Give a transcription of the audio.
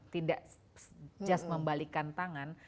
tidak just membalikan tangan